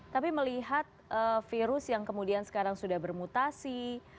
tapi melihat virus yang kemudian sekarang sudah bermutasi